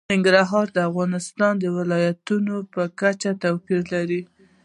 ننګرهار د افغانستان د ولایاتو په کچه توپیر لري.